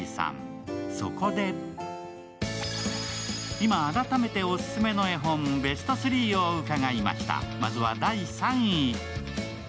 今、改めてオススメの絵本、ベスト３を伺いました。